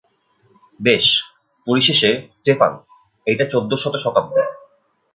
বেশ, পরিশেষে, স্টেফান, এইটা চৌদ্দশত শতাব্দী।